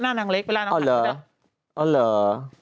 หน้านางเล็กไปร้านนางขันด้วยเดี๋ยวอ๋อเหรอ